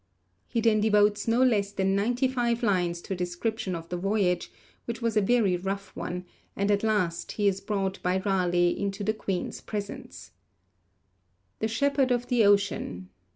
He then devotes no less than ninety five lines to a description of the voyage, which was a very rough one, and at last he is brought by Raleigh into the Queen's presence: The shepherd of the ocean